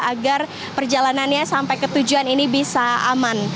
agar perjalanannya sampai ke tujuan ini bisa aman